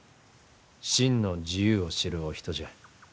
真の自由を知るお人じゃ。